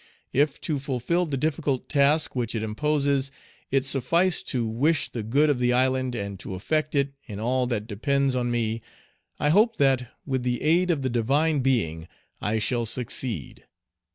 If to fulfil the difficult task which it imposes, it sufficed to wish the good of the island, and to effect it, in all that depends on me, I hope that, with the aid of the Divine Being, I shall succeed.